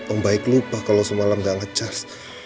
om baik lupa kalau semalam gak ngecharge